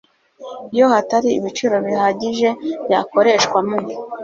Iyo hatari ibiciro bihagije byakoreshwa mu